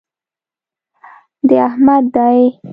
دی احمد دئ.